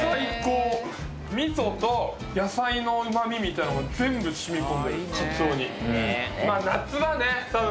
みそと野菜のうま味みたいなのが全部染み込んでるカツオに。